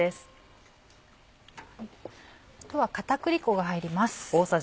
あとは片栗粉が入ります。